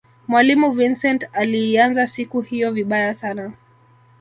mwalimu vincent aliianza siku hiyo vibaya sana